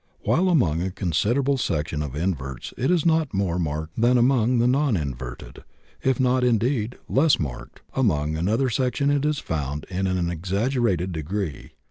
While among a considerable section of inverts it is not more marked than among the non inverted, if not, indeed, less marked, among another section it is found in an exaggerated degree.